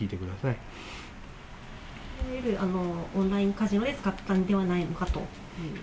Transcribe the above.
いわゆるオンラインカジノで使ったんではないかという？